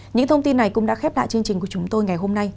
những thông tin này cũng đã khép lại chương trình của chúng tôi ngày hôm nay